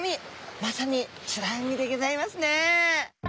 まさに美ら海でギョざいますね！